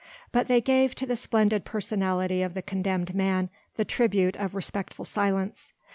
But they gave to the splendid personality of the condemned man the tribute of respectful silence.